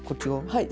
はい。